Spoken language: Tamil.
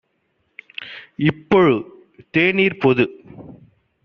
இப்பொழு தேநீர் - பொது